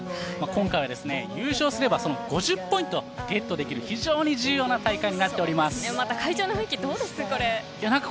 今回は優勝すればその５０ポイントをゲットできる非常に重要な大会に会場の雰囲気どうですか。